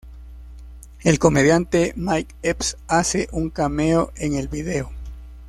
El comediante Mike Epps hace un cameo en el vídeo.